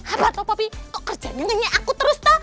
apaan tuh popi kok kerjaannya ngenyek aku terus tuh